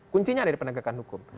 kuncinya ada di penegakan hukum